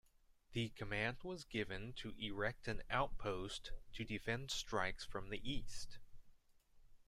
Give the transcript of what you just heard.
The command was given to erect an outpost to defend strikes from the east.